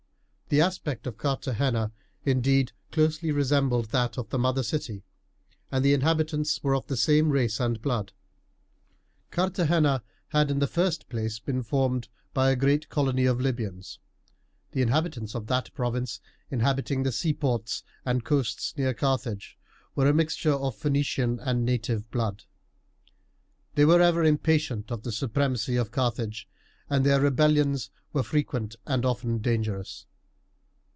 The aspect of Carthagena, indeed, closely resembled that of the mother city, and the inhabitants were of the same race and blood. Carthagena had in the first place been formed by a great colony of Libyans. The inhabitants of that province inhabiting the seaports and coasts near Carthage were a mixture of Phoenician and native blood. They were ever impatient of the supremacy of Carthage, and their rebellions were frequent and often dangerous.